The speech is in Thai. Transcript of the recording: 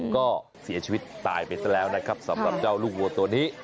ก็เสียชีวิตตายไปซะแล้วนะครับสำหรับเจ้าลูกวัวตัวนี้